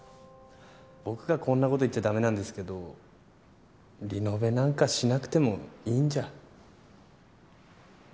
僕がこんなこと言っちゃだめなんですけどリノベなんかしなくてもいいんじゃ。